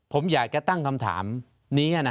ผมอยากจะตั้งคำถามนี้